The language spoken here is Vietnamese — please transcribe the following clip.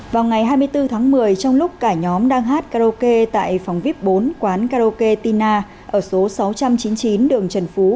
vào ngày hai mươi bốn tháng một mươi trong lúc cả nhóm đang hát karaoke tại phòng vip bốn quán karaoke tinna ở số sáu trăm chín mươi chín đường trần phú